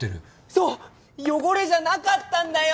そう汚れじゃなかったんだよ。